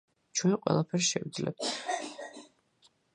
ჩვენ ყველაფერს შევძლებთ!!❤️